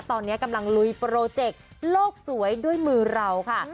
ตอนนี้กำลังลุยโปรเจกต์โลกสวยด้วยมือเราค่ะ